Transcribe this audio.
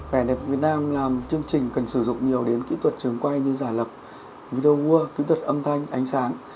vnf việt nam làm chương trình cần sử dụng nhiều đến kỹ thuật trường quay như giả lập video war kỹ thuật âm thanh ánh sáng